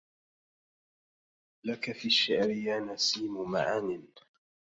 لك في الشعر يا نسيم معان